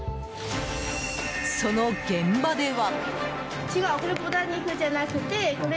その現場では。